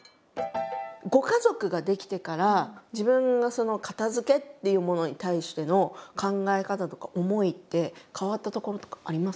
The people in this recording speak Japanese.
ご家族が出来てから自分が片づけっていうものに対しての考え方とか思いって変わったところとかありますか？